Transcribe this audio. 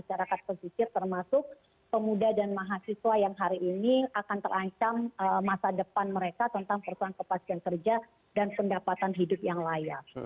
masyarakat pesisir termasuk pemuda dan mahasiswa yang hari ini akan terancam masa depan mereka tentang persoalan kepastian kerja dan pendapatan hidup yang layak